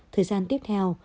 thời gian tiếp theo